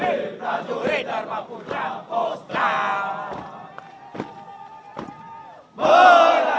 ini langkah mil